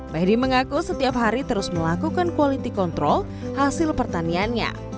mahdi mengaku setiap hari terus melakukan quality control hasil pertaniannya